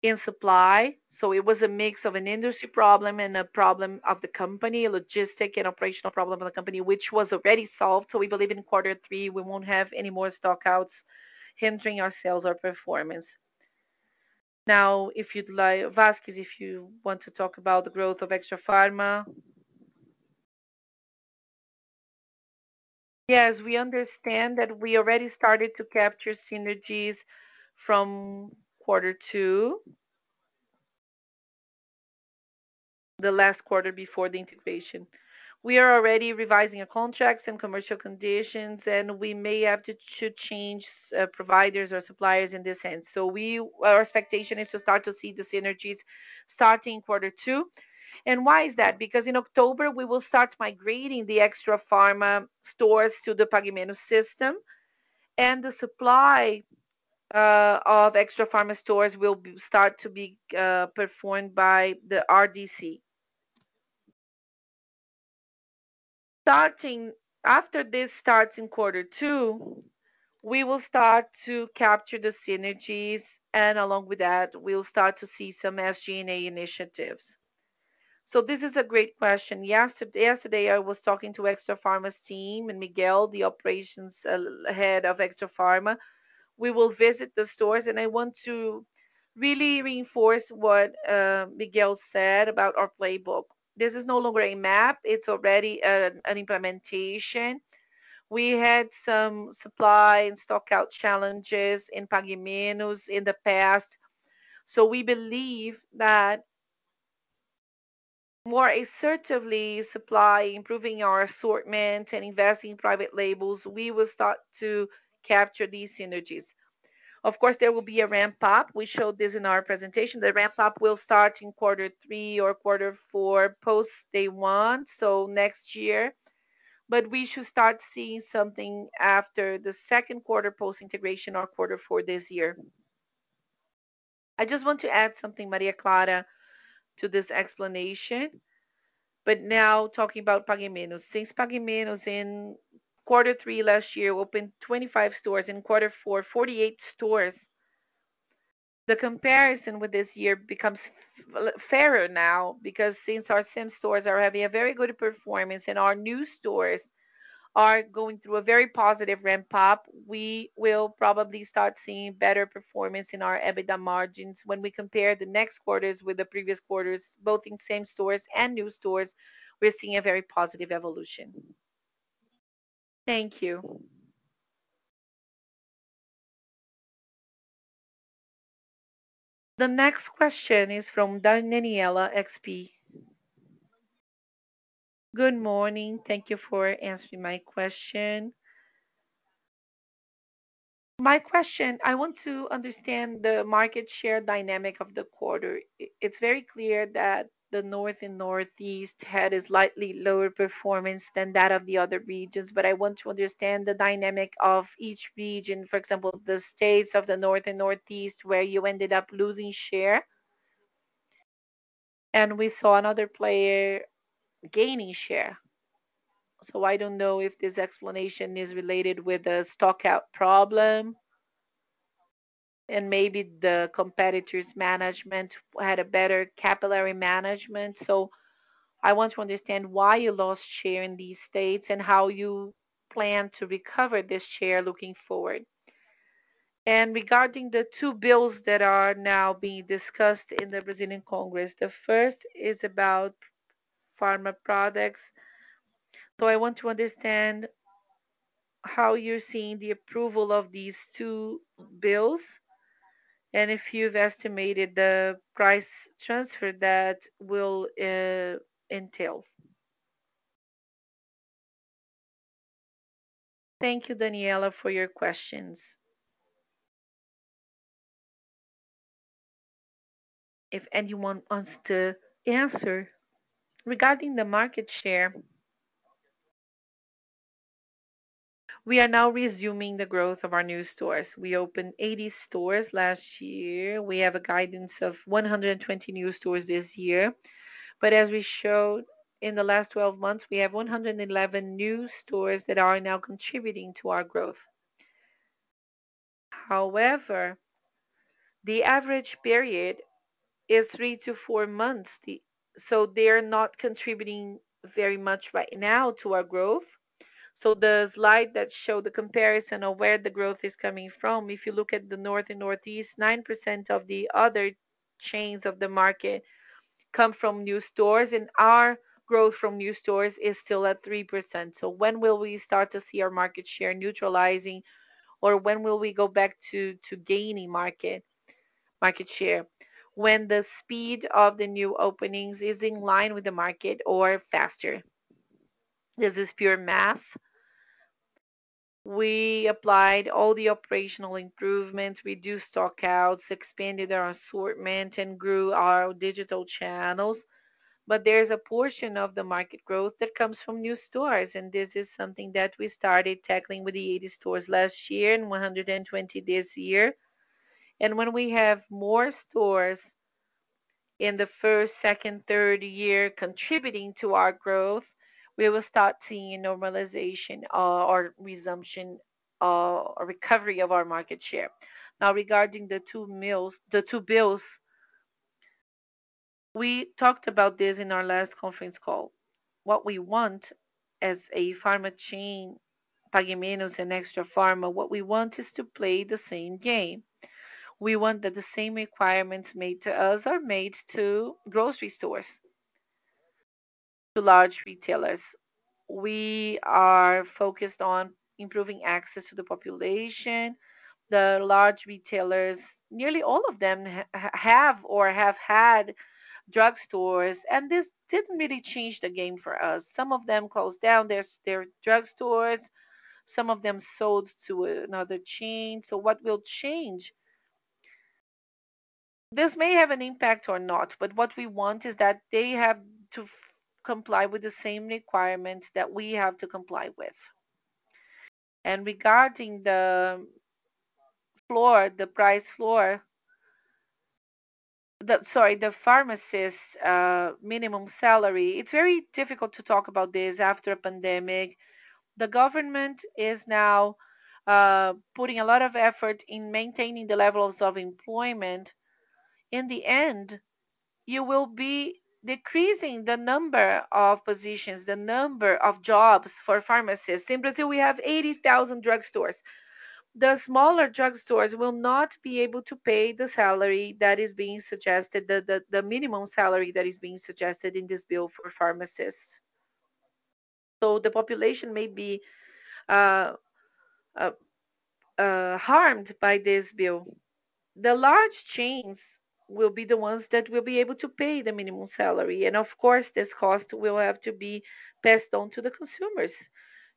in supply. It was a mix of an industry problem and a problem of the company, a logistic and operational problem of the company, which was already solved. We believe in quarter three, we won't have any more stock-outs hindering our sales or performance. Now, if you'd like, Vasquez, if you want to talk about the growth of Extrafarma. Yes, we understand that we already started to capture synergies from quarter two. The last quarter before the integration. We are already revising our contracts and commercial conditions, and we may have to change providers or suppliers in this sense. Our expectation is to start to see the synergies starting quarter two. Why is that? Because in October, we will start migrating the Extrafarma stores to the Pague Menos system, and the supply of Extrafarma stores will start to be performed by the RDC. After this starts in quarter two, we will start to capture the synergies, and along with that, we'll start to see some SG&A initiatives. This is a great question. Yesterday, I was talking to Extrafarma's team and Miguel, the operations head of Extrafarma. We will visit the stores, and I want to really reinforce what Miguel said about our playbook. This is no longer a map. It's already an implementation. We had some supply and stock-out challenges in Pague Menos in the past. We believe that more assertive supply, improving our assortment, and investing in private labels, we will start to capture these synergies. Of course, there will be a ramp-up. We showed this in our presentation. The ramp-up will start in quarter three or quarter four post day one, so next year. We should start seeing something after the second quarter post-integration or quarter four this year. I just want to add something, Maria Clara, to this explanation, but now talking about Pague Menos. Since Pague Menos in quarter three last year opened 25 stores, in quarter four, 48 stores. The comparison with this year becomes fairer now because since our same stores are having a very good performance and our new stores are going through a very positive ramp up, we will probably start seeing better performance in our EBITDA margins. When we compare the next quarters with the previous quarters, both in same stores and new stores, we're seeing a very positive evolution. Thank you. The next question is from Daniela, XP. Good morning. Thank you for answering my question. My question, I want to understand the market share dynamic of the quarter. It's very clear that the North and Northeast had a slightly lower performance than that of the other regions. I want to understand the dynamic of each region. For example, the states of the North and Northeast, where you ended up losing share, and we saw another player gaining share. I don't know if this explanation is related with a stockout problem, and maybe the competitor's management had a better capillary management. I want to understand why you lost share in these states and how you plan to recover this share looking forward. Regarding the two bills that are now being discussed in the Brazilian Congress, the first is about pharma products. I want to understand how you're seeing the approval of these two bills and if you've estimated the price transfer that will entail. Thank you, Danniela, for your questions. If anyone wants to answer. Regarding the market share, we are now resuming the growth of our new stores. We opened 80 stores last year. We have a guidance of 120 new stores this year. As we showed in the last 12 months, we have 111 new stores that are now contributing to our growth. However, the average period is three to four months, so they're not contributing very much right now to our growth. The slide that showed the comparison of where the growth is coming from, if you look at the North and Northeast, 9% of the other chains of the market come from new stores, and our growth from new stores is still at 3%. When will we start to see our market share neutralizing, or when will we go back to gaining market share? When the speed of the new openings is in line with the market or faster. This is pure math. We applied all the operational improvements. We do stockouts, expanded our assortment, and grew our digital channels. There's a portion of the market growth that comes from new stores, and this is something that we started tackling with the 80 stores last year and 120 this year. When we have more stores in the first, second, third year contributing to our growth, we will start seeing normalization or resumption or recovery of our market share. Now, regarding the two bills, we talked about this in our last conference call. What we want as a pharma chain, Pague Menos and Extrafarma, what we want is to play the same game. We want that the same requirements made to us are made to grocery stores, to large retailers. We are focused on improving access to the population. The large retailers, nearly all of them have or have had drugstores, and this didn't really change the game for us. Some of them closed down their drugstores. Some of them sold to another chain. What will change? This may have an impact or not, but what we want is that they have to comply with the same requirements that we have to comply with. Regarding the floor, the price floor. Sorry, the pharmacist's minimum salary, it's very difficult to talk about this after a pandemic. The government is now putting a lot of effort in maintaining the levels of employment. In the end, you will be decreasing the number of positions, the number of jobs for pharmacists. In Brazil, we have 80,000 drugstores. The smaller drugstores will not be able to pay the salary that is being suggested, the minimum salary that is being suggested in this bill for pharmacists. The population may be harmed by this bill. The large chains will be the ones that will be able to pay the minimum salary. Of course, this cost will have to be passed on to the consumers.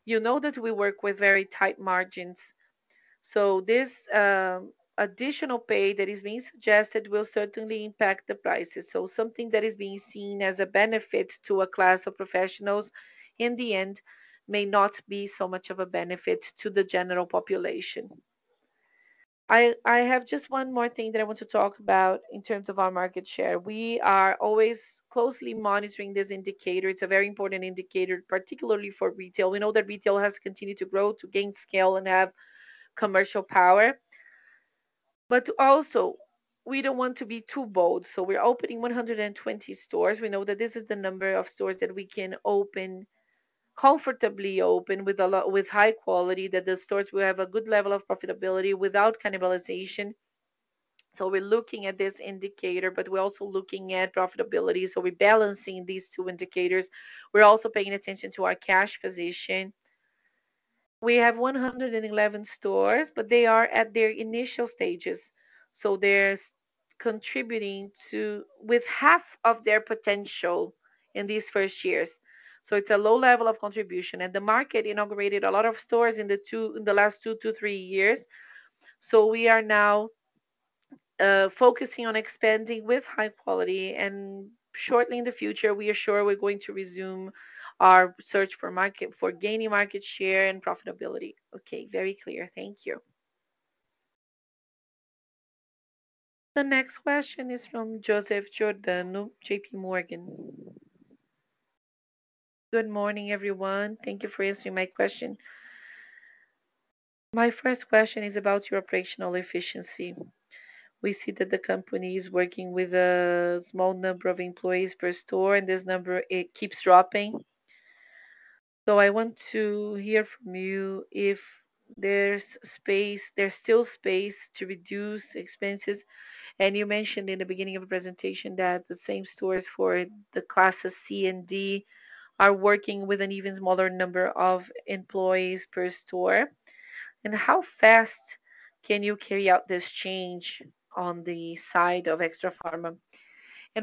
You know that we work with very tight margins. This additional pay that is being suggested will certainly impact the prices. Something that is being seen as a benefit to a class of professionals in the end may not be so much of a benefit to the general population. I have just one more thing that I want to talk about in terms of our market share. We are always closely monitoring this indicator. It's a very important indicator, particularly for retail. We know that retail has continued to grow to gain scale and have commercial power. Also, we don't want to be too bold, so we're opening 120 stores. We know that this is the number of stores that we can open comfortably with high quality, that the stores will have a good level of profitability without cannibalization. We're looking at this indicator, but we're also looking at profitability, so we're balancing these two indicators. We're also paying attention to our cash position. We have 111 stores, but they are at their initial stages. They're contributing with half of their potential in these first years. It's a low level of contribution. The market inaugurated a lot of stores in the last two to three years. We are now focusing on expanding with high quality. Shortly in the future, we are sure we're going to resume our search for gaining market share and profitability. Okay. Very clear. Thank you. The next question is from Joseph Giordano, JP Morgan. Good morning, everyone. Thank you for answering my question. My first question is about your operational efficiency. We see that the company is working with a small number of employees per store, and this number, it keeps dropping. I want to hear from you if there's space, there's still space to reduce expenses. You mentioned in the beginning of the presentation that the same stores for the classes C and D are working with an even smaller number of employees per store. How fast can you carry out this change on the side of Extrafarma?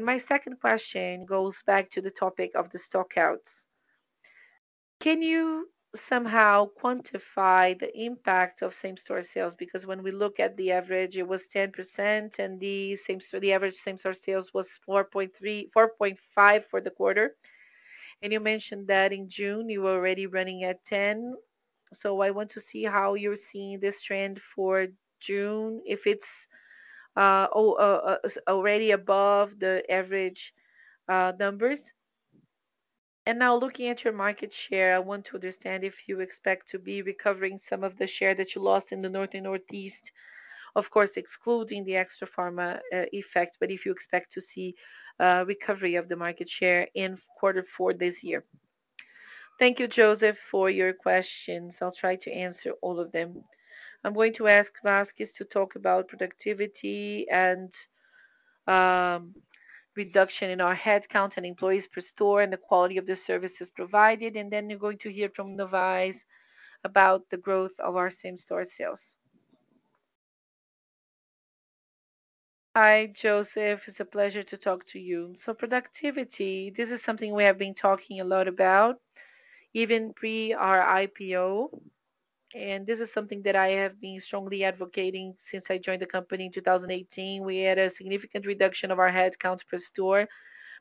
My second question goes back to the topic of the stockouts. Can you somehow quantify the impact of same-store sales? Because when we look at the average, it was 10%, and the same store. The average same-store sales was 4.5% for the quarter. You mentioned that in June, you were already running at 10%. I want to see how you're seeing this trend for June, if it's already above the average numbers. Now looking at your market share, I want to understand if you expect to be recovering some of the share that you lost in the North and Northeast. Of course, excluding the Extrafarma effect, but if you expect to see recovery of the market share in quarter four this year. Thank you, Joseph, for your questions. I'll try to answer all of them. I'm going to ask Vasquez to talk about productivity and reduction in our headcount and employees per store and the quality of the services provided. You're going to hear from Novais about the growth of our same-store sales. Hi, Joseph. It's a pleasure to talk to you. Productivity, this is something we have been talking a lot about, even pre-IPO, and this is something that I have been strongly advocating since I joined the company in 2018. We had a significant reduction of our headcount per store,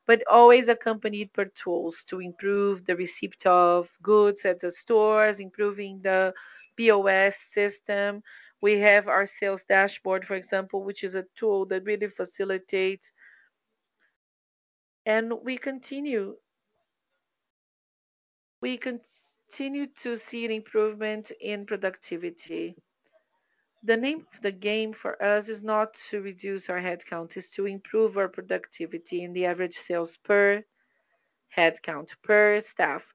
but always accompanied by tools to improve the receipt of goods at the stores, improving the POS system. We have our sales dashboard, for example, which is a tool that really facilitates. We continue to see an improvement in productivity. The name of the game for us is not to reduce our headcount, it is to improve our productivity in the average sales per headcount, per staff.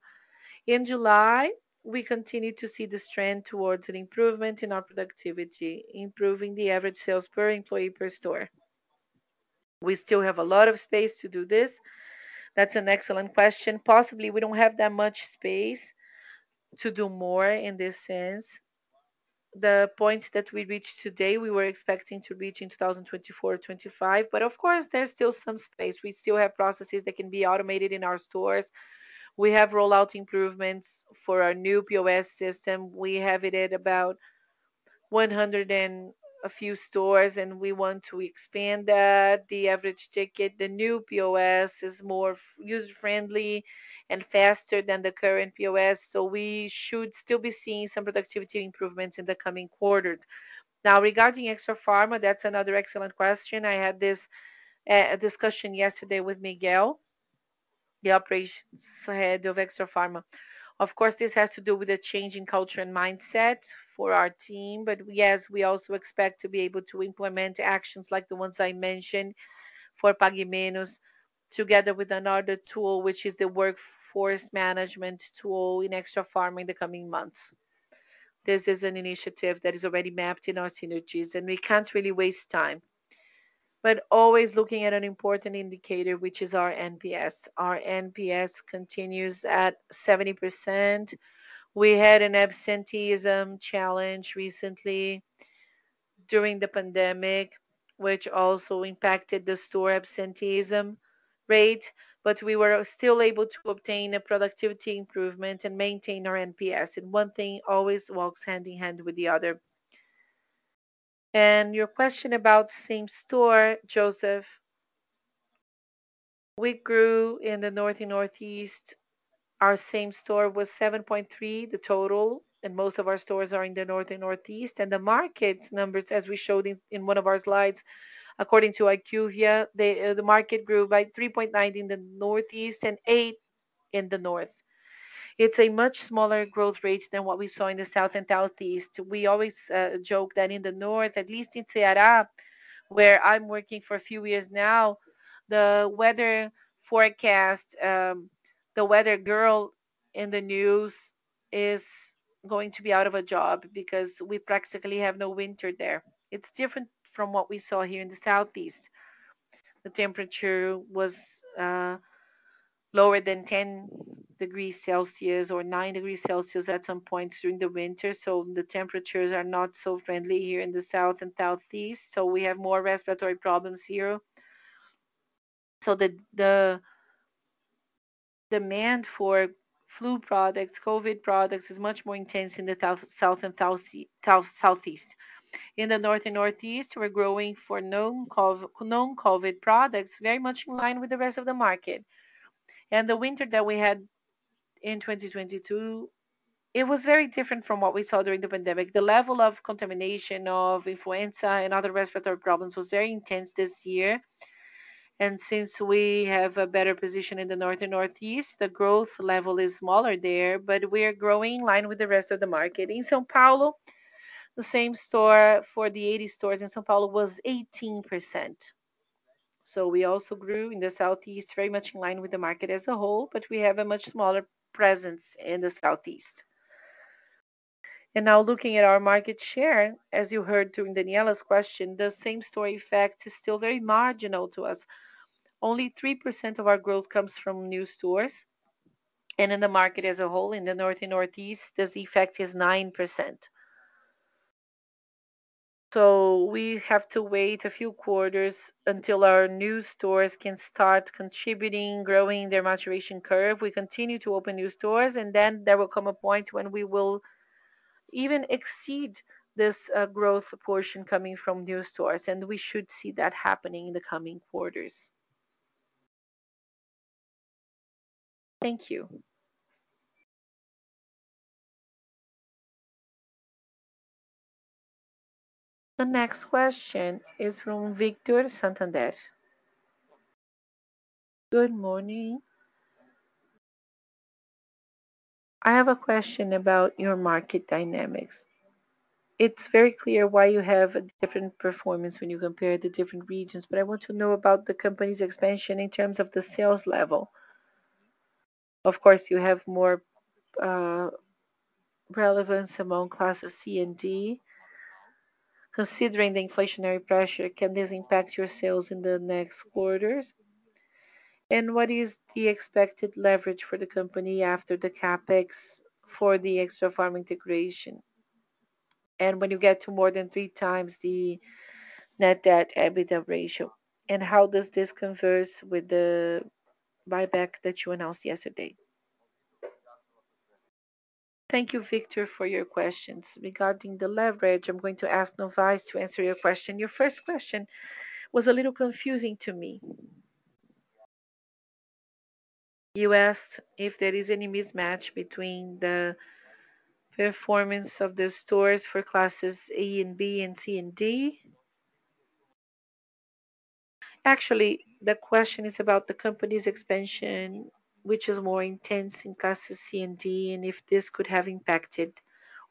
In July, we continued to see this trend towards an improvement in our productivity, improving the average sales per employee per store. We still have a lot of space to do this. That's an excellent question. Possibly, we don't have that much space to do more in this sense. The points that we reached today, we were expecting to reach in 2024-2025. Of course, there's still some space. We still have processes that can be automated in our stores. We have rollout improvements for our new POS system. We have it at about 100 and a few stores, and we want to expand that. The average ticket, the new POS is more user-friendly and faster than the current POS, so we should still be seeing some productivity improvements in the coming quarters. Now, regarding Extrafarma, that's another excellent question. I had this discussion yesterday with Miguel, the operations head of Extrafarma. Of course, this has to do with a change in culture and mindset for our team. Yes, we also expect to be able to implement actions like the ones I mentioned for Pague Menos, together with another tool, which is the workforce management tool in Extrafarma in the coming months. This is an initiative that is already mapped in our synergies, and we can't really waste time. Always looking at an important indicator, which is our NPS. Our NPS continues at 70%. We had an absenteeism challenge recently during the pandemic, which also impacted the store absenteeism rate, but we were still able to obtain a productivity improvement and maintain our NPS. One thing always walks hand in hand with the other. Your question about same-store, Joseph. We grew in the North and Northeast. Our same store was 7.3%, the total, and most of our stores are in the North and Northeast. The market numbers, as we showed in one of our slides, according to IQVIA, the market grew by 3.9% in the Northeast and 8% in the North. It's a much smaller growth rate than what we saw in the South and Southeast. We always joke that in the North, at least in Ceará, where I'm working for a few years now, the weather forecast, the weather girl in the news is going to be out of a job because we practically have no winter there. It's different from what we saw here in the Southeast. The temperature was lower than 10 degrees Celsius or 9 degrees Celsius at some points during the winter, so the temperatures are not so friendly here in the South and Southeast, so we have more respiratory problems here. The demand for flu products, COVID products is much more intense in the South and Southeast. In the North and Northeast, we're growing for non-COVID products very much in line with the rest of the market. The winter that we had in 2022, it was very different from what we saw during the pandemic. The level of contamination of influenza and other respiratory problems was very intense this year. Since we have a better position in the North and Northeast, the growth level is smaller there, but we are growing in line with the rest of the market. In São Paulo, the same store for the 80 stores in São Paulo was 18%. We also grew in the Southeast, very much in line with the market as a whole, but we have a much smaller presence in the Southeast. Now looking at our market share, as you heard during Danniela's question, the same-store effect is still very marginal to us. Only 3% of our growth comes from new stores. In the market as a whole, in the North and Northeast, this effect is 9%. We have to wait a few quarters until our new stores can start contributing, growing their maturation curve. We continue to open new stores, and then there will come a point when we will even exceed this growth portion coming from new stores, and we should see that happening in the coming quarters. Thank you. The next question is from Victor Nistor of Santander. Good morning. I have a question about your market dynamics. It's very clear why you have a different performance when you compare the different regions, but I want to know about the company's expansion in terms of the sales level. Of course, you have more relevance among classes C and D. Considering the inflationary pressure, can this impact your sales in the next quarters? And what is the expected leverage for the company after the CapEx for the Extrafarma integration? And when you get to more than three times the net debt EBITDA ratio, and how does this converse with the buyback that you announced yesterday? Thank you, Victor, for your questions. Regarding the leverage, I'm going to ask Novais to answer your question. Your first question was a little confusing to me. You asked if there is any mismatch between the performance of the stores for classes A and B and C and D. Actually, the question is about the company's expansion, which is more intense in classes C and D, and if this could have impacted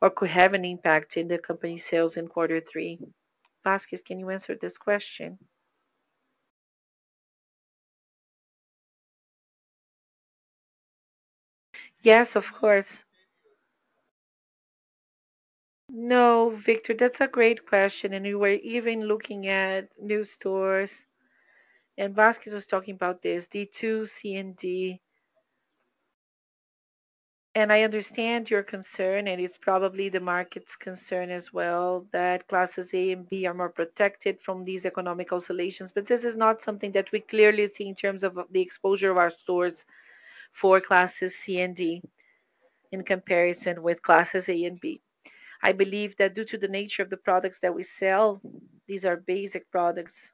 or could have an impact in the company's sales in quarter three. Vasquez, can you answer this question? Yes, of course. No, Victor, that's a great question. We were even looking at new stores, and Vasquez was talking about this, D two, C and D. I understand your concern, and it's probably the market's concern as well, that classes A and B are more protected from these economic oscillations. This is not something that we clearly see in terms of the exposure of our stores for classes C and D in comparison with classes A and B. I believe that due to the nature of the products that we sell, these are basic products.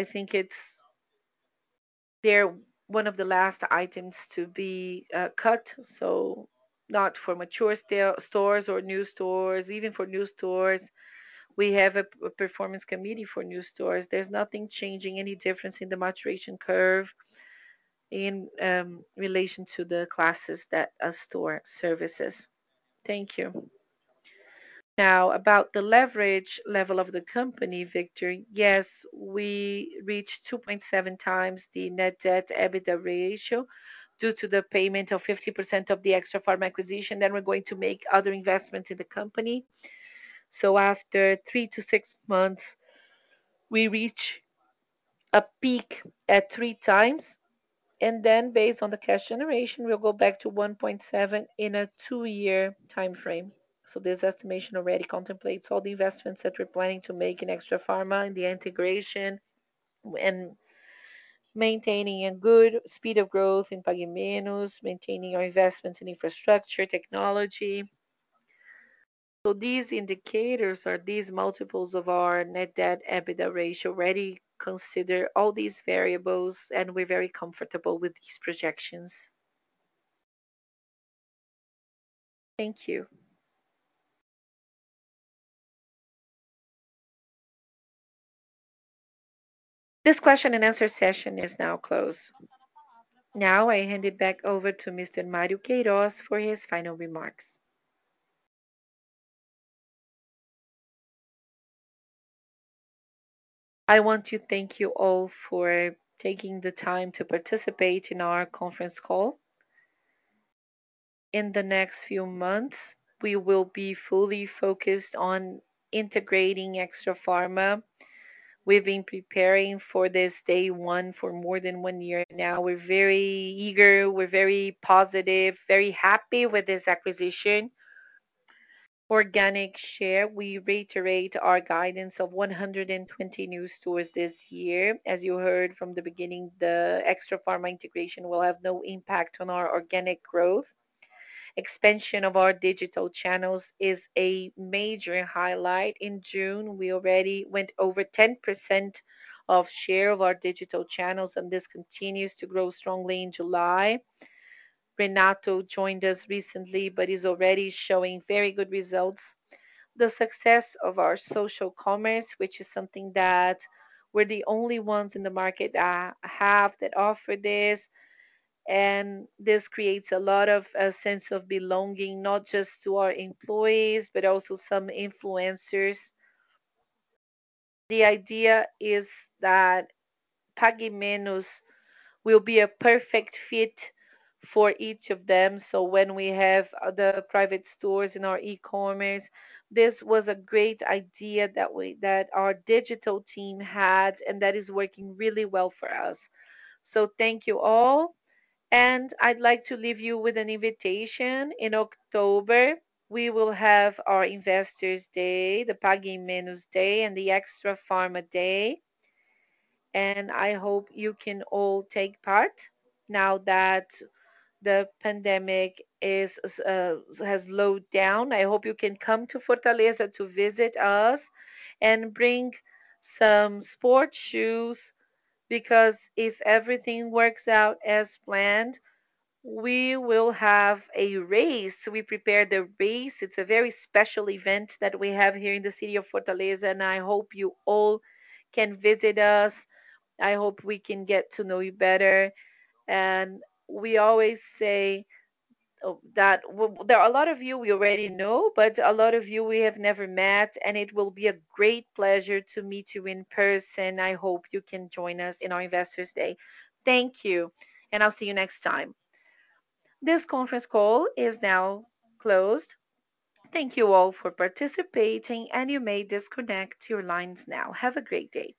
I think they're one of the last items to be cut, so not for mature stores or new stores. Even for new stores, we have a performance committee for new stores. There's nothing changing, any difference in the maturation curve in relation to the classes that a store services. Thank you. Now about the leverage level of the company, Victor. Yes, we reached 2.7x the net debt EBITDA ratio due to the payment of 50% of the Extrafarma acquisition. Then we're going to make other investments in the company. After three to six months, we reach a peak at 3x. Then based on the cash generation, we'll go back to 1.7x in a two year timeframe. This estimation already contemplates all the investments that we're planning to make in Extrafarma and the integration and maintaining a good speed of growth in Pague Menos, maintaining our investments in infrastructure, technology. These indicators or these multiples of our net debt EBITDA ratio already consider all these variables, and we're very comfortable with these projections. Thank you. This question and answer session is now closed. Now I hand it back over to Mr. Mário Queirós for his final remarks. I want to thank you all for taking the time to participate in our conference call. In the next few months, we will be fully focused on integrating Extrafarma. We've been preparing for this day one for more than one year now. We're very eager, we're very positive, very happy with this acquisition. Organic share. We reiterate our guidance of 120 new stores this year. As you heard from the beginning, the Extrafarma integration will have no impact on our organic growth. Expansion of our digital channels is a major highlight. In June, we already went over 10% share of our digital channels, and this continues to grow strongly in July. Renato joined us recently but is already showing very good results. The success of our social commerce, which is something that we're the only ones in the market that offer this, and this creates a lot of sense of belonging, not just to our employees, but also some influencers. The idea is that Pague Menos will be a perfect fit for each of them. When we have the private stores in our e-commerce, this was a great idea that our digital team had and that is working really well for us. Thank you all, and I'd like to leave you with an invitation. In October, we will have our Investors Day, the Pague Menos Day, and the Extra Farma Day, and I hope you can all take part. Now that the pandemic has slowed down, I hope you can come to Fortaleza to visit us and bring some sports shoes, because if everything works out as planned, we will have a race. We prepared a race. It's a very special event that we have here in the city of Fortaleza, and I hope you all can visit us. I hope we can get to know you better. We always say that there are a lot of you we already know, but a lot of you we have never met, and it will be a great pleasure to meet you in person. I hope you can join us in our Pague Menos Day. Thank you, and I'll see you next time. This conference call is now closed. Thank you all for participating, and you may disconnect your lines now. Have a great day.